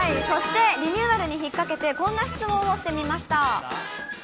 そしてリニューアルに引っ掛けて、こんな質問をしてみました。